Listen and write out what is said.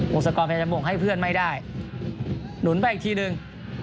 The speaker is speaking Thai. โบสถ์กรแผ่นจำบุกให้เพื่อนไม่ได้หนุนไปอีกทีหนึ่ง